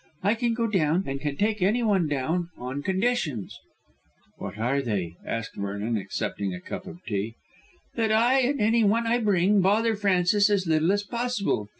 I can go down, and can take any one down, on conditions." "What are they?" asked Vernon, accepting a cup of tea. "That I, and anyone I bring, bother Francis as little as possible.